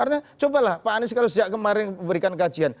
artinya cobalah pak anies kalau sejak kemarin memberikan kajian